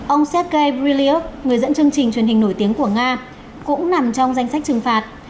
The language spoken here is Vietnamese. ông sergei briliok người dẫn chương trình truyền hình nổi tiếng của nga cũng nằm trong danh sách trừng phạt